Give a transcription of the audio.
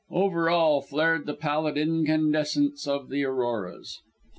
Over all flared the pallid incandescence of the auroras.